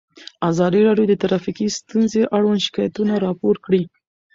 ازادي راډیو د ټرافیکي ستونزې اړوند شکایتونه راپور کړي.